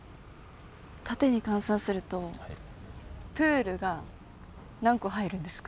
縦に換算するとプールが何個入るんですか？